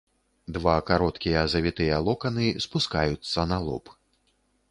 Два кароткія завітыя локаны спускаюцца на лоб.